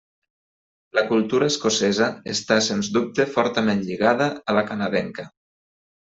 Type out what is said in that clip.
La cultura escocesa està sens dubte fortament lligada a la canadenca.